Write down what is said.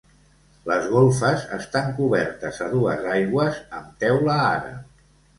Les golfes estan cobertes a dues aigües amb teula àrab.